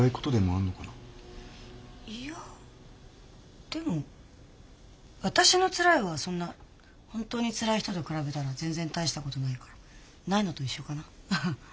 いやでも私のつらいはそんな本当につらい人と比べたら全然大したことないからないのと一緒かなハハ。